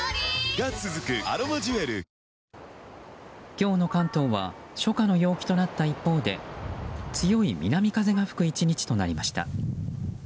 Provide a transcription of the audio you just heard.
今日の関東は初夏の陽気となった一方で強い南風が吹く１日となりました。